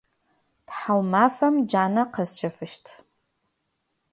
Тхьаумафэм джанэ къэсщэфыщт.